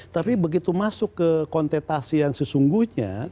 tapi begitu masuk ke kontetasi yang sesungguhnya